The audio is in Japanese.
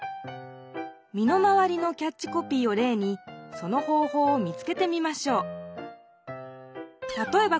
みの回りのキャッチコピーをれいにその方法を見つけてみましょう。